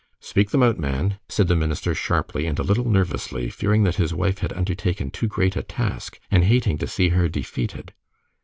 "Speak them out, man," said the minister, sharply, and a little nervously, fearing that his wife had undertaken too great a task, and hating to see her defeated.